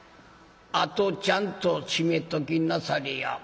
「あとちゃんと閉めときなされや」。